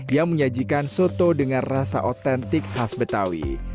yang menyajikan soto dengan rasa otentik khas betawi